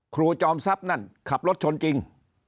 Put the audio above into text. จอมทรัพย์นั่นขับรถชนจริง